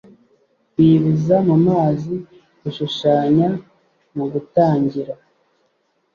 kwibiza mu mazi, gushushanya mu gutangira